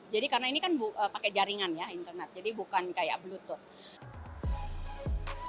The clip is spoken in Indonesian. jadi karena ini kan pakai jaringan ya internet jadi bukan kayak bluetooth